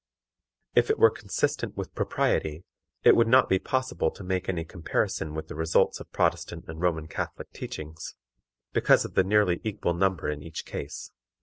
If it were consistent with propriety, it would not be possible to make any comparison between the results of Protestant and Roman Catholic teachings, because of the nearly equal number in each case.